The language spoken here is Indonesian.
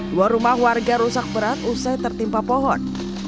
dua rumah warga rusak berat usai tertimpa pohon